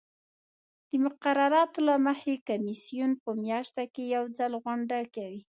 د مقرراتو له مخې کمیسیون په میاشت کې یو ځل غونډه کوي.